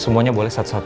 semuanya boleh satu satu